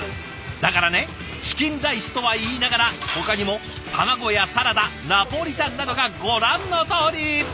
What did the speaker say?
だからねチキンライスとは言いながらほかにも卵やサラダナポリタンなどがご覧のとおり！